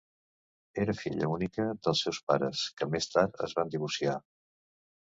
Era filla única dels seus pares, que més tard es van divorciar.